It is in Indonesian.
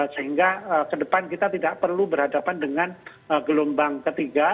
sehingga kedepan kita tidak perlu berhadapan dengan gelombang ketiga